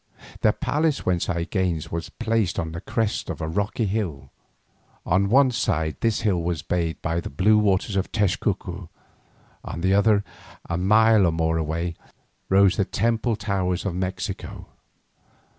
The palace whence I gazed was placed on the crest of a rocky hill. On one side this hill was bathed by the blue waters of Tezcuco, on the other, a mile or more away, rose the temple towers of Mexico.